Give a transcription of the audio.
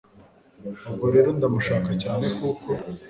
ubwo rero ndamushaka cyane kuko